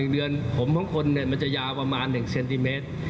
๑เดือนผมของคนมันจะยาวประมาณ๑เซนติเมตร